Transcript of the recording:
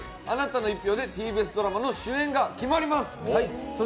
あなたの１票でＴＢＳドラマの主演が決まります。